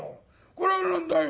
これは何だよ